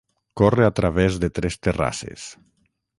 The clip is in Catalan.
Corre a través de tres terrasses.